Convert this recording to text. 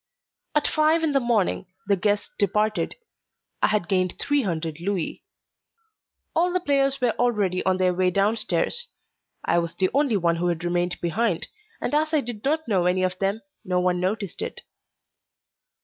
At five in the morning, the guests departed. I had gained three hundred louis. All the players were already on their way downstairs; I was the only one who had remained behind, and as I did not know any of them, no one noticed it.